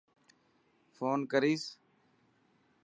فون ڪريس.